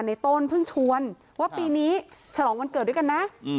ในต้นเพิ่งชวนว่าปีนี้ฉลองวันเกิดด้วยกันนะ